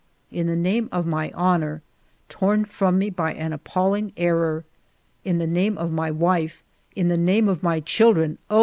" In the name of my honor, torn from me by an appalling error, in the name of my wife, in the name of my children, — oh.